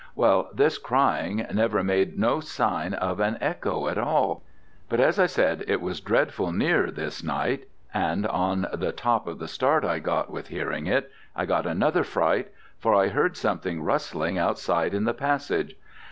Well, this crying never made no sign of an echo at all. But, as I said, it was dreadful near this night; and on the top of the start I got with hearing it, I got another fright; for I heard something rustling outside in the passage.